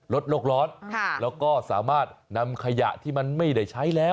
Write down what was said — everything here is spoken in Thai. ลดโลกร้อนแล้วก็สามารถนำขยะที่มันไม่ได้ใช้แล้ว